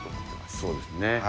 そうですね。